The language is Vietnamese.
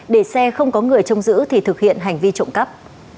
để xe không có người trông giữ thì thực hiện hành vi trộm cắp